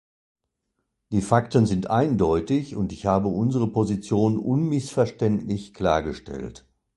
Die Fakten sind eindeutig und ich habe unsere Position unmissverständlich klargestellt.